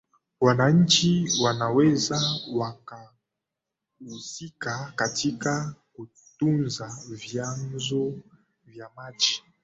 wananchi wanaweza wakahusika katika kutunza vyanzo vya maji